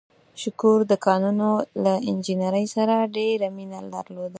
شکور د کانونو له انجنیرۍ سره ډېره مینه درلوده.